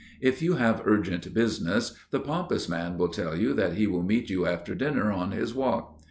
If you have urgent business, the pompous man will tell you that he will meet you after dinner on his walk.